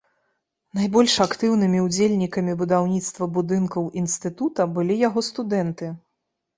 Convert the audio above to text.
Найбольш актыўнымі ўдзельнікамі будаўніцтва будынкаў інстытута былі яго студэнты.